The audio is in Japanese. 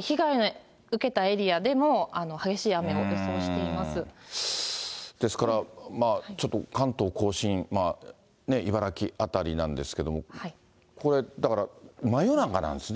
被害を受けたエリアでも、激ですから、ちょっと関東甲信、茨城辺りなんですけれども、これ、だから真夜中なんですね。